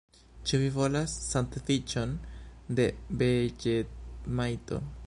Ĉu vi volas sandviĉon de veĝemajto?